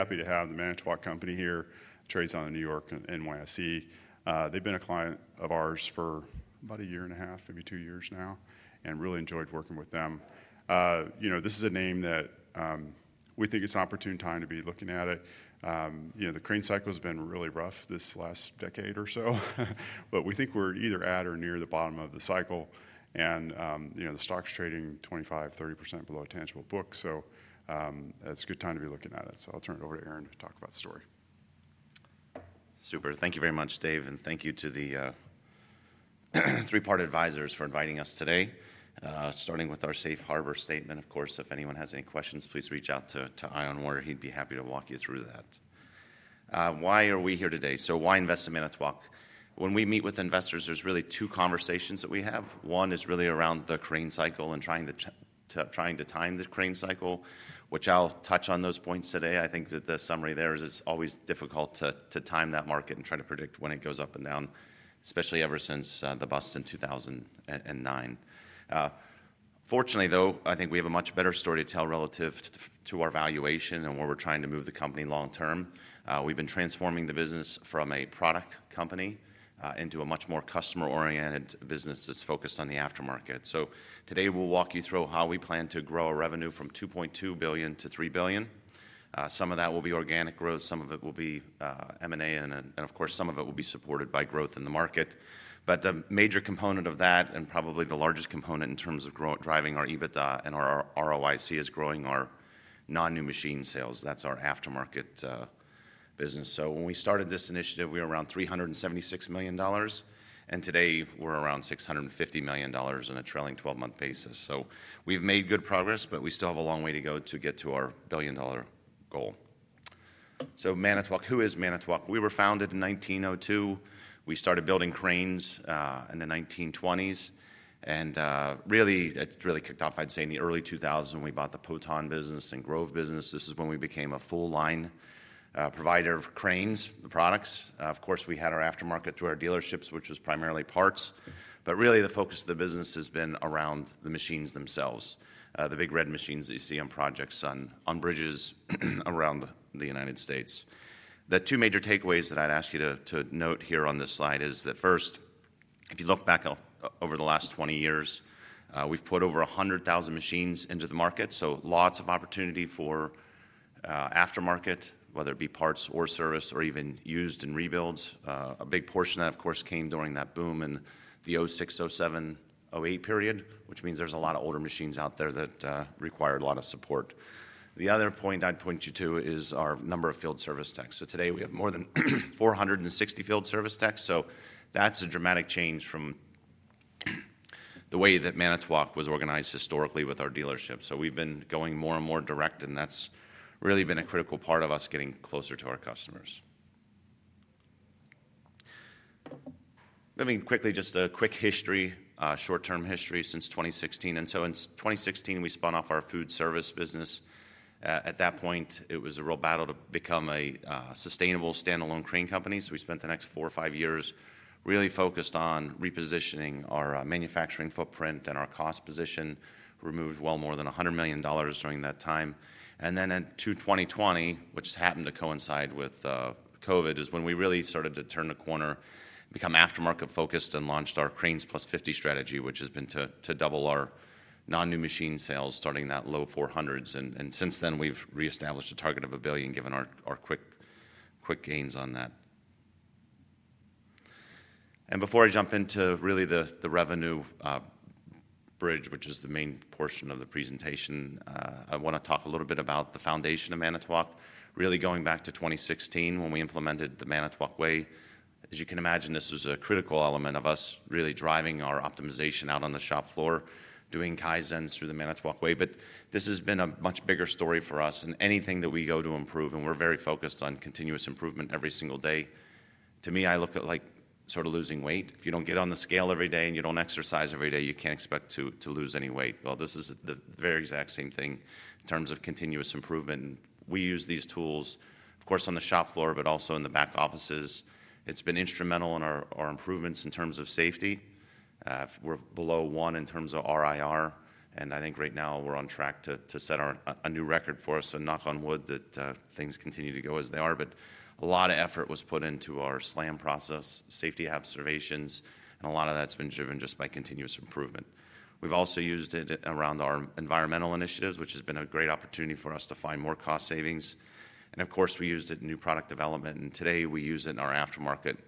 Happy to have The Manitowoc Company here, trades in New York on the NYSE. They've been a client of ours for about a year and a half, maybe two years now, and really enjoyed working with them. You know, this is a name that we think it's an opportune time to be looking at. You know, the crane cycle has been really rough this last decade or so. We think we're either at or near the bottom of the cycle, and the stock's trading 25%-30% below tangible book. It's a good time to be looking at it. I'll turn it over to Aaron to talk about the story. Super. Thank you very much, Dave, and thank you to the Three Part Advisors for inviting us today. Starting with our safe harbor statement, of course, if anyone has any questions, please reach out to Ion Warner. He'd be happy to walk you through that. Why are we here today? So why invest in Manitowoc? When we meet with investors, there's really two conversations that we have. One is really around the crane cycle and trying to time the crane cycle, which I'll touch on those points today. I think that the summary there is always difficult to time that market and try to predict when it goes up and down, especially ever since the bust in 2009. Fortunately, though, I think we have a much better story to tell relative to our valuation and where we're trying to move the company long term. We've been transforming the business from a product company into a much more customer-oriented business that's focused on the aftermarket. Today we'll walk you through how we plan to grow our revenue from $2.2 billion to $3 billion. Some of that will be organic growth, some of it will be M&A, and of course some of it will be supported by growth in the market. The major component of that, and probably the largest component in terms of driving our EBITDA and our ROIC, is growing our non-new machine sales. That's our aftermarket business. When we started this initiative, we were around $376 million, and today we're around $650 million on a trailing 12-month basis. We've made good progress, but we still have a long way to go to get to our billion-dollar goal. So Manitowoc, who is Manitowoc? We were founded in 1902. We started building cranes in the 1920s. It really kicked off, I'd say, in the early 2000s when we bought the Poton business and Grove business. This is when we became a full-line provider of cranes, the products. Of course, we had our aftermarket through our dealerships, which was primarily parts. Really, the focus of the business has been around the machines themselves, the big red machines that you see on Project Sun, on bridges around the United States. The two major takeaways that I'd ask you to note here on this slide is that first, if you look back over the last 20 years, we've put over 100,000 machines into the market. Lots of opportunity for aftermarket, whether it be parts or service or even used and rebuilds. A big portion of that, of course, came during that boom in the 2006, 2007, 2008 period, which means there's a lot of older machines out there that required a lot of support. The other point I'd point you to is our number of field service techs. Today we have more than 460 field service techs. That's a dramatic change from the way that Manitowoc was organized historically with our dealership. We've been going more and more direct, and that's really been a critical part of us getting closer to our customers. Moving quickly, just a quick history, short-term history since 2016. In 2016, we spun off our food service business. At that point, it was a real battle to become a sustainable standalone crane company. We spent the next four or five years really focused on repositioning our manufacturing footprint and our cost position. We removed well more than $100 million during that time. In 2020, which happened to coincide with COVID, is when we really started to turn the corner, become aftermarket focused, and launched our Cranes Plus 50 strategy, which has been to double our non-new machine sales, starting that low $400 million. Since then, we've reestablished a target of $1 billion, given our quick gains on that. Before I jump into really the revenue bridge, which is the main portion of the presentation, I want to talk a little bit about the foundation of Manitowoc, really going back to 2016 when we implemented the Manitowoc Way. As you can imagine, this was a critical element of us really driving our optimization out on the shop floor, doing Kaizens through the Manitowoc Way. This has been a much bigger story for us than anything that we go to improve, and we're very focused on continuous improvement every single day. To me, I look at it like sort of losing weight. If you don't get on the scale every day and you don't exercise every day, you can't expect to lose any weight. This is the very exact same thing in terms of continuous improvement. We use these tools, of course, on the shop floor, but also in the back offices. It's been instrumental in our improvements in terms of safety. We're below one in terms of RIR, and I think right now we're on track to set a new record for us and knock on wood that things continue to go as they are. A lot of effort was put into our SLAM process, safety observations, and a lot of that's been driven just by continuous improvement. We've also used it around our environmental initiatives, which has been a great opportunity for us to find more cost savings. Of course, we used it in new product development, and today we use it in our aftermarket,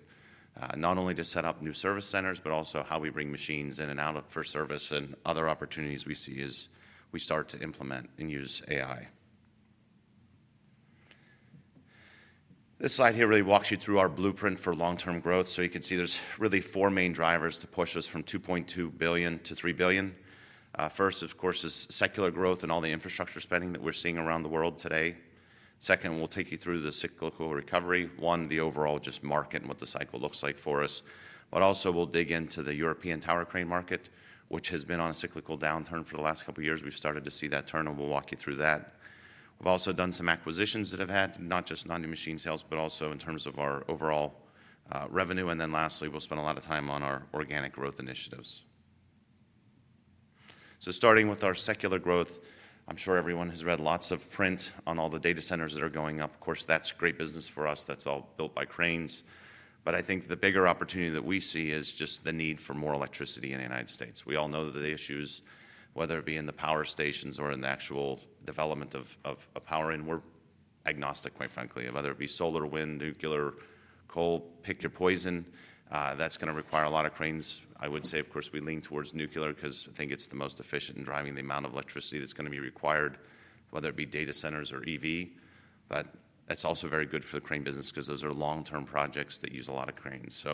not only to set up new service centers, but also how we bring machines in and out for service and other opportunities we see as we start to implement and use AI. This slide here really walks you through our blueprint for long-term growth. You can see there's really four main drivers to push us from $2.2 billion to $3 billion. First, of course, is secular growth and all the infrastructure spending that we're seeing around the world today. Second, we'll take you through the cyclical recovery, one, the overall just market and what the cycle looks like for us. We'll dig into the European tower crane market, which has been on a cyclical downturn for the last couple of years. We've started to see that turn, and we'll walk you through that. We've also done some acquisitions that have had not just non-new machine sales, but also in terms of our overall revenue. Lastly, we'll spend a lot of time on our organic growth initiatives. Starting with our secular growth, I'm sure everyone has read lots of print on all the data centers that are going up. That's great business for us. That's all built by cranes. I think the bigger opportunity that we see is just the need for more electricity in the United States. We all know the issues, whether it be in the power stations or in the actual development of power. We're agnostic, quite frankly, whether it be solar, wind, nuclear, coal, pick your poison. That's going to require a lot of cranes. I would say, of course, we lean towards nuclear because I think it's the most efficient in driving the amount of electricity that's going to be required, whether it be data centers or EV. That's also very good for the crane business because those are long-term projects that use a lot of cranes.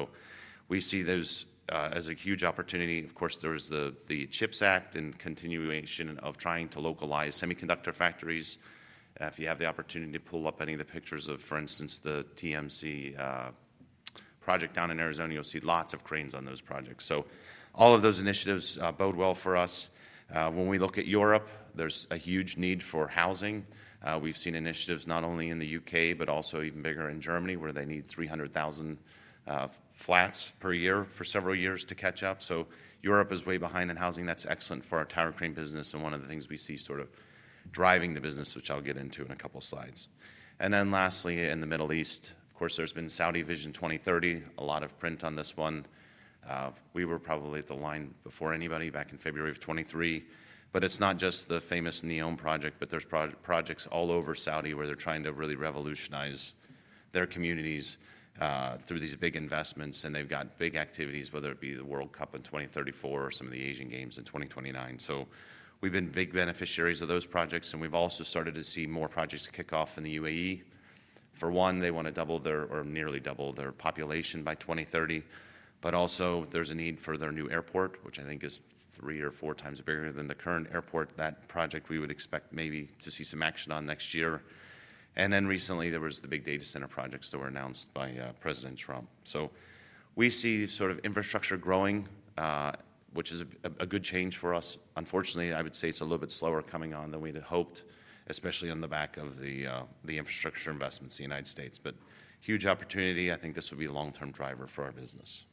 We see those as a huge opportunity. There's the CHIPS Act and continuation of trying to localize semiconductor factories. If you have the opportunity to pull up any of the pictures of, for instance, the TMC project down in Arizona, you'll see lots of cranes on those projects. All of those initiatives bode well for us. When we look at Europe, there's a huge need for housing. We've seen initiatives not only in the U.K., but also even bigger in Germany, where they need 300,000 flats per year for several years to catch up. Europe is way behind in housing. That's excellent for our tower crane business and one of the things we see sort of driving the business, which I'll get into in a couple of slides. Lastly, in the Middle East, of course, there's been Saudi Vision 2030, a lot of print on this one. We were probably at the line before anybody back in February of 2023. It's not just the famous NEOM project, but there are projects all over Saudi where they're trying to really revolutionize their communities through these big investments. They've got big activities, whether it be the World Cup in 2034 or some of the Asian Games in 2029. We've been big beneficiaries of those projects. We've also started to see more projects kick off in the UAE. For one, they want to double or nearly double their population by 2030. There's a need for their new airport, which I think is three or four times bigger than the current airport. That project we would expect maybe to see some action on next year. Recently, there were the big data center projects that were announced by President Trump. We see sort of infrastructure growing, which is a good change for us. Unfortunately, I would say it's a little bit slower coming on than we had hoped, especially on the back of the infrastructure investments in the United States. Huge opportunity. I think this will be a long-term driver for our business.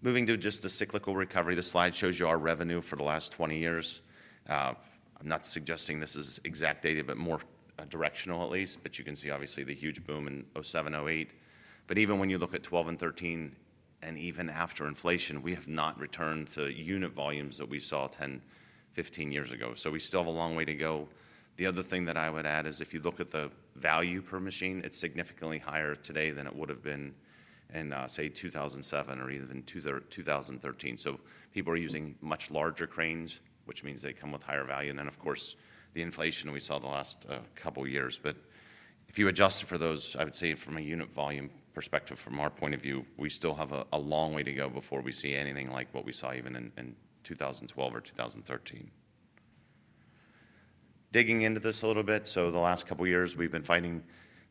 Moving to just the cyclical recovery, the slide shows you our revenue for the last 20 years. I'm not suggesting this is exact data, but more directional, at least. You can see, obviously, the huge boom in 2007, 2008. Even when you look at 2012 and 2013, and even after inflation, we have not returned to unit volumes that we saw 10, 15 years ago. We still have a long way to go. The other thing that I would add is if you look at the value per machine, it's significantly higher today than it would have been in, say, 2007 or even 2013. People are using much larger cranes, which means they come with higher value. The inflation we saw the last couple of years also plays a role. If you adjust for those, I would say from a unit volume perspective, from our point of view, we still have a long way to go before we see anything like what we saw even in 2012 or 2013. Digging into this a little bit. The last couple of years, we've been fighting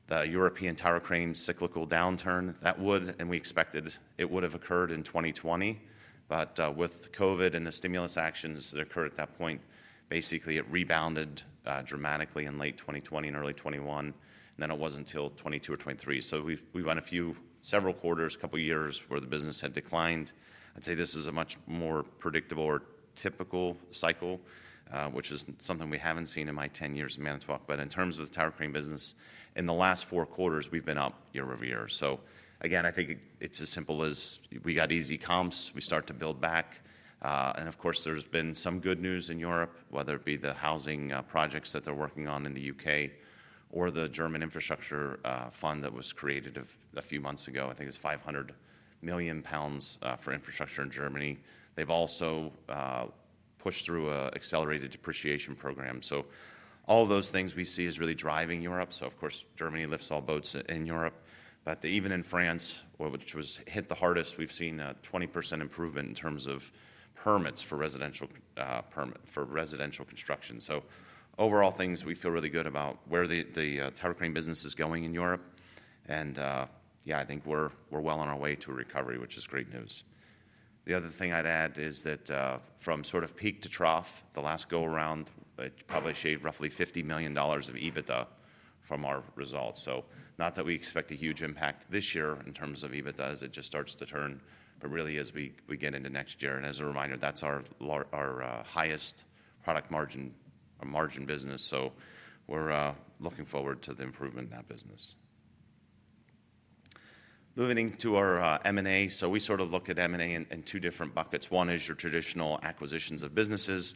the European tower crane cyclical downturn. That would, and we expected it would have occurred in 2020. With COVID and the stimulus actions that occurred at that point, it rebounded dramatically in late 2020 and early 2021. It wasn't until 2022 or 2023. We've had several quarters, a couple of years where the business had declined. I'd say this is a much more predictable or typical cycle, which is something we haven't seen in my 10 years at Manitowoc. In terms of the tower crane business, in the last four quarters, we've been up year-over-year. I think it's as simple as we got easy comps, we start to build back. Of course, there's been some good news in Europe, whether it be the housing projects that they're working on in the UK or the German infrastructure fund that was created a few months ago. I think it's 500 million pounds for infrastructure in Germany. They've also pushed through an accelerated depreciation program. All of those things we see as really driving Europe. Germany lifts all boats in Europe. Even in France, which was hit the hardest, we've seen a 20% improvement in terms of permits for residential construction. Overall, we feel really good about where the tower crane business is going in Europe. I think we're well on our way to a recovery, which is great news. The other thing I'd add is that from sort of peak to trough, the last go around, it probably shaved roughly $50 million of EBITDA from our results. Not that we expect a huge impact this year in terms of EBITDA as it just starts to turn, but really as we get into next year. As a reminder, that's our highest product margin or margin business. We're looking forward to the improvement in that business. Moving into our M&A. We sort of look at M&A in two different buckets. One is your traditional acquisitions of businesses.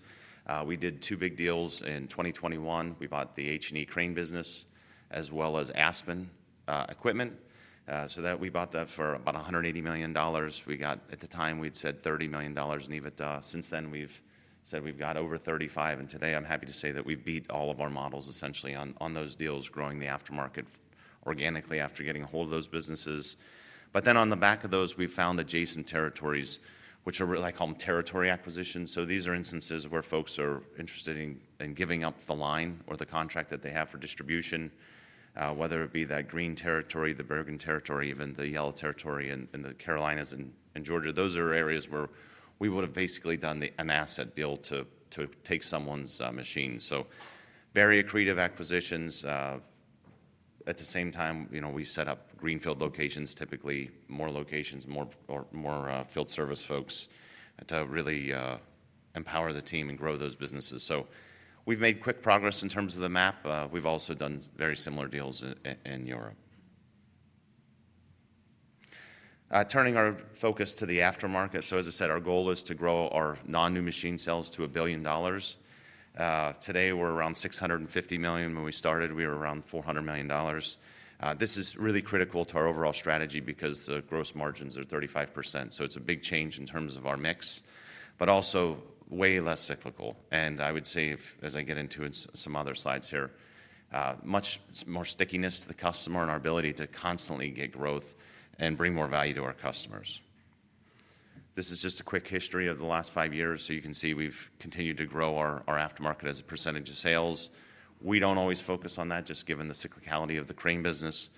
We did two big deals in 2021. We bought the H&E crane business as well as Aspen Equipment. We bought that for about $180 million. At the time, we'd said $30 million in EBITDA. Since then, we've said we've got over $35 million. Today, I'm happy to say that we beat all of our models essentially on those deals, growing the aftermarket organically after getting a hold of those businesses. On the back of those, we've found adjacent territories, which are what I call them territory acquisitions. These are instances where folks are interested in giving up the line or the contract that they have for distribution, whether it be that green territory, the Bergen territory, even the yellow territory in the Carolinas and Georgia. Those are areas where we would have basically done an asset deal to take someone's machine. Very creative acquisitions. At the same time, we set up Greenfield locations, typically more locations, more field service folks to really empower the team and grow those businesses. We've made quick progress in terms of the map. We've also done very similar deals in Europe. Turning our focus to the aftermarket, as I said, our goal is to grow our non-new machine sales to $1 billion. Today, we're around $650 million. When we started, we were around $400 million. This is really critical to our overall strategy because the gross margins are 35%. It's a big change in terms of our mix, but also way less cyclical. As I get into some other slides here, much more stickiness to the customer and our ability to constantly get growth and bring more value to our customers. This is just a quick history of the last five years. You can see we've continued to grow our aftermarket as a percentage of sales. We don't always focus on that, just given the cyclicality of the crane business.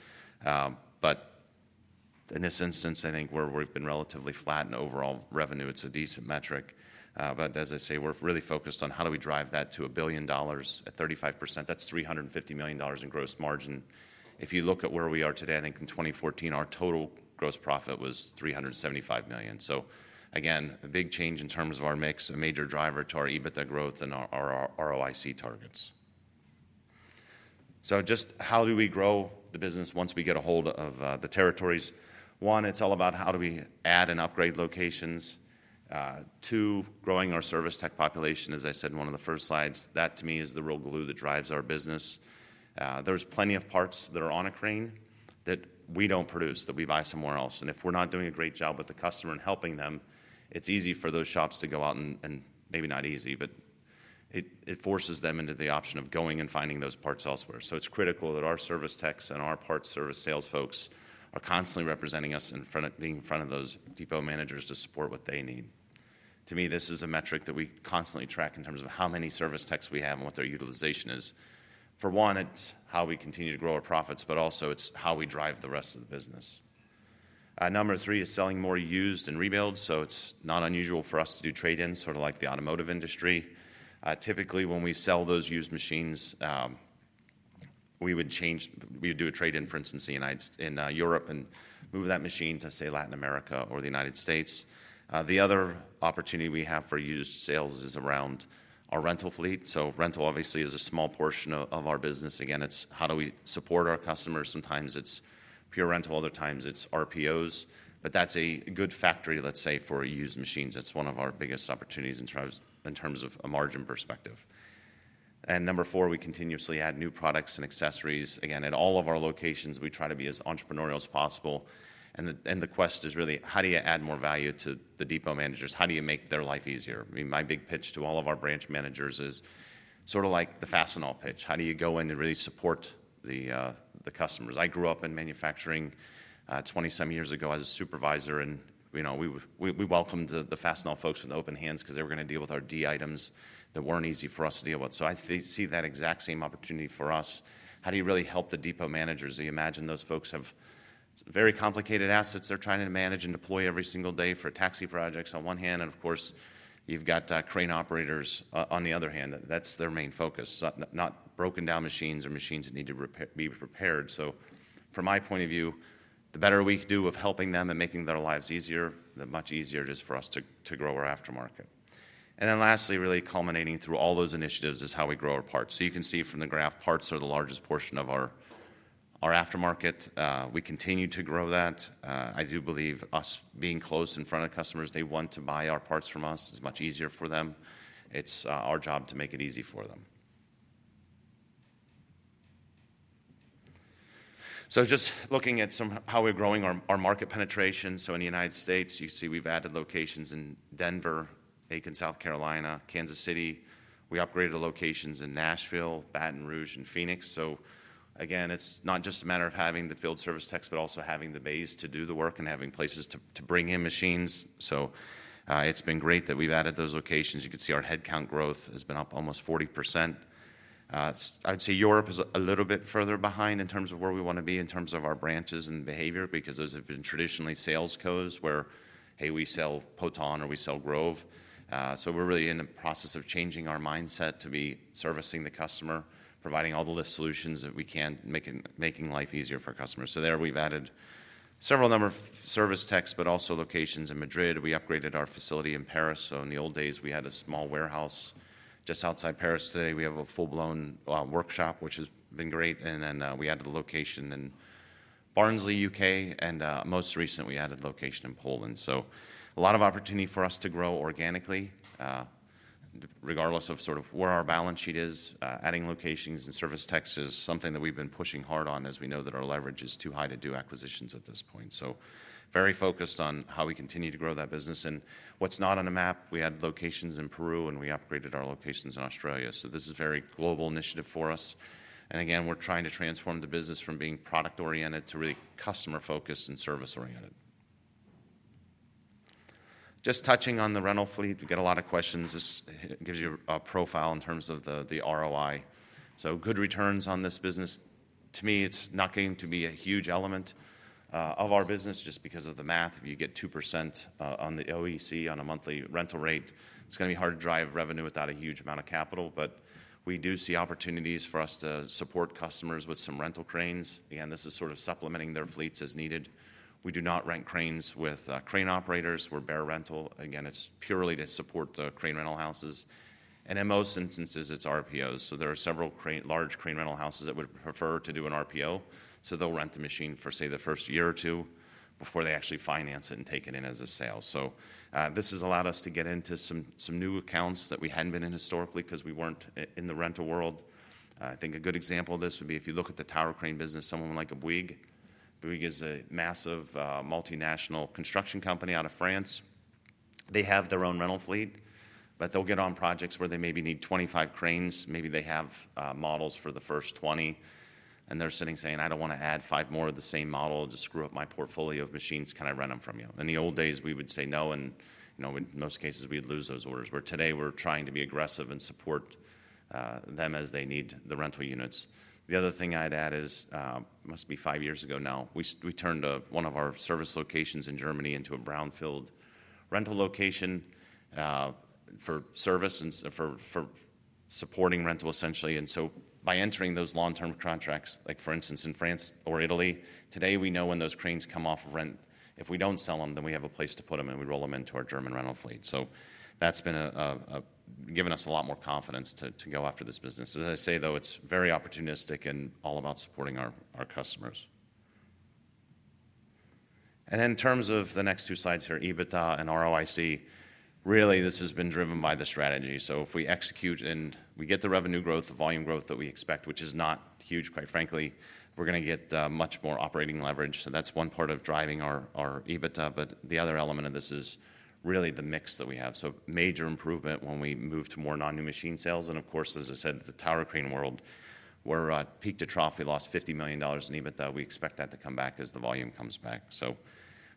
In this instance, I think we've been relatively flat in overall revenue. It's a decent metric. As I say, we're really focused on how do we drive that to $1 billion at 35%. That's $350 million in gross margin. If you look at where we are today, I think in 2014, our total gross profit was $375 million. Again, a big change in terms of our mix, a major driver to our EBITDA growth and our ROIC targets. How do we grow the business once we get a hold of the territories? One, it's all about how do we add and upgrade locations. Two, growing our service tech population. As I said in one of the first slides, that to me is the real glue that drives our business. There's plenty of parts that are on a crane that we don't produce, that we buy somewhere else. If we're not doing a great job with the customer and helping them, it's easy for those shops to go out and maybe not easy, but it forces them into the option of going and finding those parts elsewhere. It's critical that our service techs and our parts service sales folks are constantly representing us and being in front of those depot managers to support what they need. To me, this is a metric that we constantly track in terms of how many service techs we have and what their utilization is. For one, it's how we continue to grow our profits, but also it's how we drive the rest of the business. Number three is selling more used and rebuilds. It's not unusual for us to do trade-ins, sort of like the automotive industry. Typically, when we sell those used machines, we would do a trade-in, for instance, in Europe and move that machine to, say, Latin America or the United States. The other opportunity we have for used sales is around our rental fleet. Rental obviously is a small portion of our business. Again, it's how do we support our customers? Sometimes it's pure rental, other times it's RPOs. That's a good factory, let's say, for used machines. That's one of our biggest opportunities in terms of a margin perspective. Number four, we continuously add new products and accessories. At all of our locations, we try to be as entrepreneurial as possible. The quest is really, how do you add more value to the depot managers? How do you make their life easier? My big pitch to all of our branch managers is sort of like the Fastenal pitch. How do you go in and really support the customers? I grew up in manufacturing 20-some years ago as a supervisor, and we welcomed the Fastenal folks with open hands because they were going to deal with our D items that weren't easy for us to deal with. I see that exact same opportunity for us. How do you really help the depot managers? You imagine those folks have very complicated assets they're trying to manage and deploy every single day for taxi projects on one hand, and of course, you've got crane operators on the other hand. That's their main focus, not broken-down machines or machines that need to be repaired. From my point of view, the better we can do of helping them and making their lives easier, the much easier it is for us to grow our aftermarket. Lastly, really culminating through all those initiatives is how we grow our parts. You can see from the graph, parts are the largest portion of our aftermarket. We continue to grow that. I do believe us being close in front of the customers, they want to buy our parts from us. It's much easier for them. It's our job to make it easy for them. Just looking at how we're growing our market penetration, in the United States, you see we've added locations in Denver, Aiken, South Carolina, and Kansas City. We upgraded locations in Nashville, Baton Rouge, and Phoenix. It's not just a matter of having the field service techs, but also having the bays to do the work and having places to bring in machines. It's been great that we've added those locations. You can see our headcount growth has been up almost 40%. I'd say Europe is a little bit further behind in terms of where we want to be in terms of our branches and behavior because those have been traditionally sales codes where, hey, we sell Potain or we sell Grove. We're really in the process of changing our mindset to be servicing the customer, providing all the solutions that we can, making life easier for our customers. There we've added several service techs, but also locations in Madrid. We upgraded our facility in Paris. In the old days, we had a small warehouse just outside Paris. Today, we have a full-blown workshop, which has been great. We added a location in Barnsley, UK, and most recently, we added a location in Poland. There's a lot of opportunity for us to grow organically, regardless of where our balance sheet is. Adding locations and service techs is something that we've been pushing hard on as we know that our leverage is too high to do acquisitions at this point. We're very focused on how we continue to grow that business. What's not on a map, we had locations in Peru and we upgraded our locations in Australia. This is a very global initiative for us. We're trying to transform the business from being product-oriented to really customer-focused and service-oriented. Just touching on the rental fleet, we get a lot of questions. This gives you a profile in terms of the ROI. Good returns on this business. To me, it's not going to be a huge element of our business just because of the math. If you get 2% on the OEC on a monthly rental rate, it's going to be hard to drive revenue without a huge amount of capital. We do see opportunities for us to support customers with some rental cranes. This is sort of supplementing their fleets as needed. We do not rent cranes with crane operators. We're bare rental. It's purely to support the crane rental houses. In most instances, it's RPOs. There are several large crane rental houses that would prefer to do an RPO. They'll rent a machine for, say, the first year or two before they actually finance it and take it in as a sale. This has allowed us to get into some new accounts that we hadn't been in historically because we weren't in the rental world. I think a good example of this would be if you look at the tower crane business, someone like Bouygues. Bouygues is a massive multinational construction company out of France. They have their own rental fleet, but they'll get on projects where they maybe need 25 cranes. Maybe they have models for the first 20, and they're sitting saying, "I don't want to add five more of the same model. It'll just screw up my portfolio of machines. Can I rent them from you?" In the old days, we would say no, and in most cases, we would lose those orders. Today, we're trying to be aggressive and support them as they need the rental units. The other thing I'd add is, it must be five years ago now, we turned one of our service locations in Germany into a brownfield rental location for service and for supporting rental, essentially. By entering those long-term contracts, like for instance in France or Italy, today we know when those cranes come off of rent, if we don't sell them, then we have a place to put them and we roll them into our German rental fleet. That's been given us a lot more confidence to go after this business. As I say, though, it's very opportunistic and all about supporting our customers. In terms of the next two slides here, EBITDA and ROIC, this has been driven by the strategy. If we execute and we get the revenue growth, the volume growth that we expect, which is not huge, quite frankly, we're going to get much more operating leverage. That's one part of driving our EBITDA. The other element of this is really the mix that we have. Major improvement when we move to more non-new machine sales. Of course, as I said, the tower crane world, we're at peak to trough. We lost $50 million in EBITDA. We expect that to come back as the volume comes back.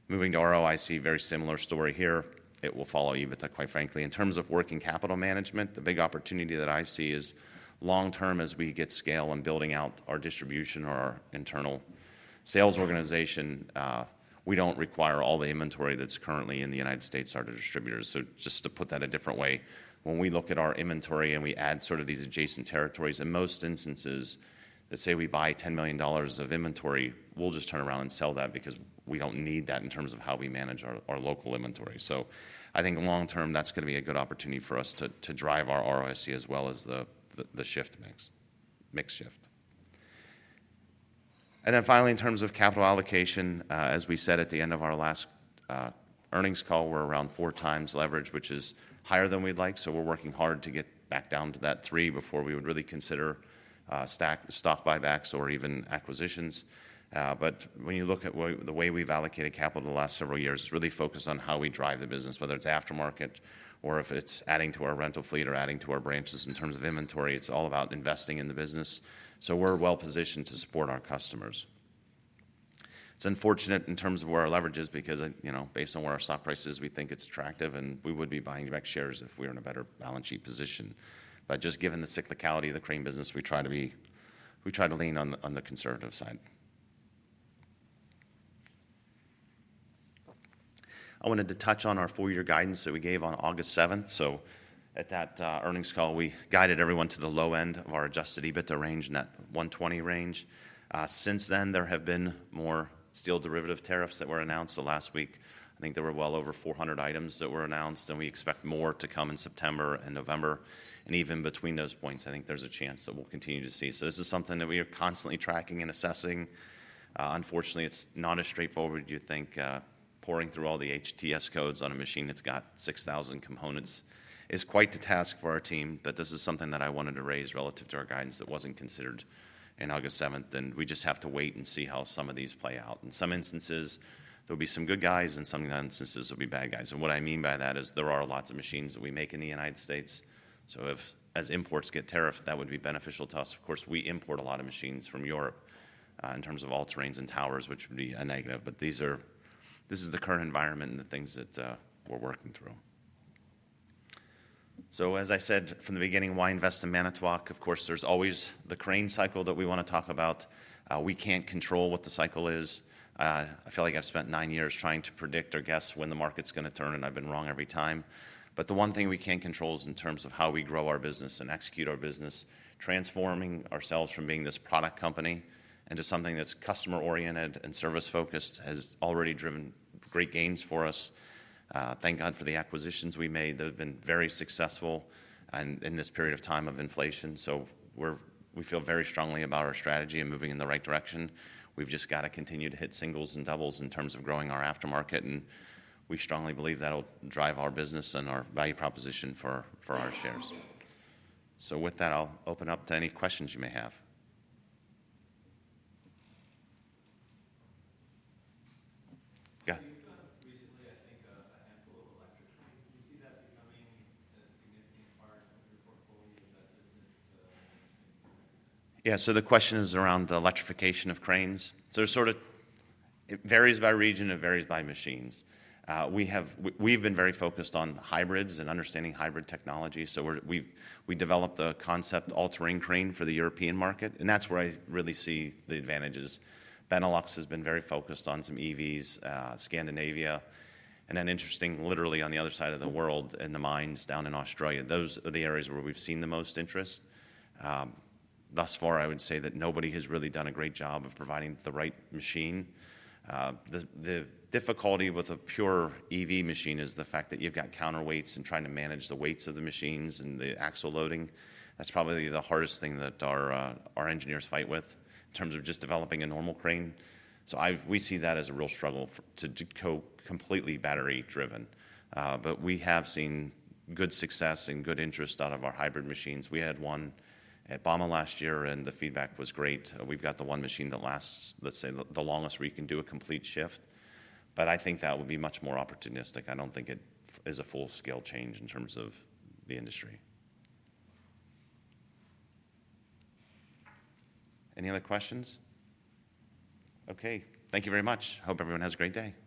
Moving to ROIC, very similar story here. It will follow EBITDA, quite frankly. In terms of working capital management, the big opportunity that I see is long-term, as we get scale and building out our distribution or our internal sales organization, we don't require all the inventory that's currently in the United States to our distributors. Just to put that a different way, when we look at our inventory and we add sort of these adjacent territories, in most instances, let's say we buy $10 million of inventory, we'll just turn around and sell that because we don't need that in terms of how we manage our local inventory. I think long-term, that's going to be a good opportunity for us to drive our ROIC as well as the mix shift. Finally, in terms of capital allocation, as we said at the end of our last earnings call, we're around four times leverage, which is higher than we'd like. We're working hard to get back down to that three before we would really consider stock buybacks or even acquisitions. When you look at the way we've allocated capital the last several years, it's really focused on how we drive the business, whether it's aftermarket or if it's adding to our rental fleet or adding to our branches. In terms of inventory, it's all about investing in the business. We're well positioned to support our customers. It's unfortunate in terms of where our leverage is because based on where our stock price is, we think it's attractive and we would be buying back shares if we were in a better balance sheet position. Just given the cyclicality of the crane business, we try to lean on the conservative side. I wanted to touch on our four-year guidance that we gave on August 7. At that earnings call, we guided everyone to the low end of our adjusted EBITDA range, in that 120 range. Since then, there have been more steel derivative tariffs that were announced. Last week, I think there were well over 400 items that were announced and we expect more to come in September and November. Even between those points, I think there's a chance that we'll continue to see. This is something that we are constantly tracking and assessing. Unfortunately, it's not as straightforward as you'd think. Pouring through all the HTS codes on a machine that's got 6,000 components is quite the task for our team. This is something that I wanted to raise relative to our guidance that wasn't considered on August 7. We just have to wait and see how some of these play out. In some instances, there'll be some good guys and some instances there'll be bad guys. What I mean by that is there are lots of machines that we make in the United States. If, as imports get tariffed, that would be beneficial to us. Of course, we import a lot of machines from Europe in terms of all terrains and towers, which would be a negative. This is the current environment and the things that we're working through. As I said from the beginning, why invest in Manitowoc? Of course, there's always the crane cycle that we want to talk about. We can't control what the cycle is. I feel like I've spent nine years trying to predict or guess when the market's going to turn, and I've been wrong every time. The one thing we can control is in terms of how we grow our business and execute our business. Transforming ourselves from being this product company into something that's customer-oriented and service-focused has already driven great gains for us. Thank God for the acquisitions we made that have been very successful in this period of time of inflation. We feel very strongly about our strategy and moving in the right direction. We've just got to continue to hit singles and doubles in terms of growing our aftermarket. We strongly believe that'll drive our business and our value proposition for our shares. With that, I'll open up to any questions you may have. Yeah, you got recently, I think, a handful of electric cranes. Can you see that? Yeah. The question is around the electrification of cranes. It sort of varies by region. It varies by machines. We've been very focused on hybrids and understanding hybrid technology. We developed a concept hybrid all-terrain crane for the European market. That's where I really see the advantages. Benelux has been very focused on some EVs, Scandinavia, and then interestingly, literally on the other side of the world in the mines down in Australia. Those are the areas where we've seen the most interest. Thus far, I would say that nobody has really done a great job of providing the right machine. The difficulty with a pure EV machine is the fact that you've got counterweights and trying to manage the weights of the machines and the axle loading. That's probably the hardest thing that our engineers fight with in terms of just developing a normal crane. We see that as a real struggle to go completely battery-driven. We have seen good success and good interest out of our hybrid machines. We had one at Bauma last year, and the feedback was great. We've got the one machine that lasts, let's say, the longest where you can do a complete shift. I think that would be much more opportunistic. I don't think it is a full-scale change in terms of the industry. Any other questions? Okay. Thank you very much. Hope everyone has a great day.